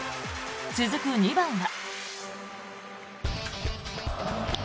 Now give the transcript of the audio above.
続く２番は。